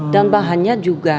dan bahannya juga